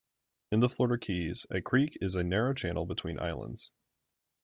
In the Florida Keys, a creek is a narrow channel between islands.